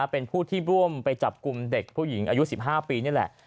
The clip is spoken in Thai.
เป็นผู้ที่ร่วมไปจับกลุ่มเด็กผู้หญิงอายุ๑๕ปีนี่แหละ